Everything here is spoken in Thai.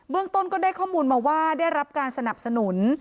ต้นก็ได้ข้อมูลมาว่าได้รับการสนับสนุน